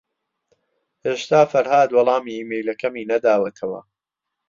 ھێشتا فەرھاد وەڵامی ئیمەیلەکەمی نەداوەتەوە.